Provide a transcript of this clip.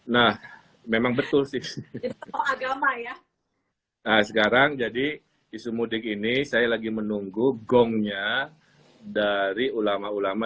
nah memang betul sih agama ya nah sekarang jadi isu mudik ini saya lagi menunggu gongnya dari ulama ulama